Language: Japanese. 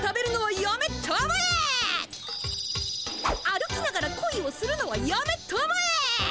歩きながらこいをするのはやめたまえ！